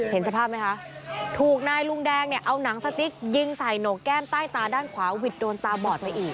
เห็นสภาพไหมคะถูกนายลุงแดงเนี่ยเอาหนังสติ๊กยิงใส่โหนกแก้มใต้ตาด้านขวาหวิดโดนตาบอดไปอีก